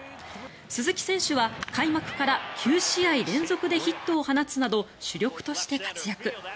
鈴木選手は開幕から９試合連続でヒットを放つなど主力として活躍。